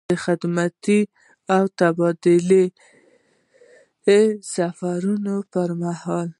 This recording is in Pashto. د خدمتي او تبدیلي سفرونو پر مهال.